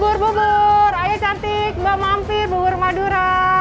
bubur bubur ayo cantik mbak mampir bubur madura